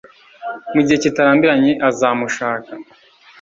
mu gihe kitarambiranye azamushaka